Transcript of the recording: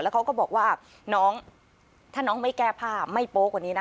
เขาก็บอกว่าน้องถ้าน้องไม่แก้ผ้าไม่โป๊ะกว่านี้นะ